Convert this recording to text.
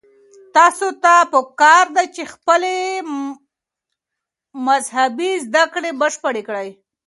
تاسو ته پکار ده چې خپلې مذهبي زده کړې بشپړې کړئ.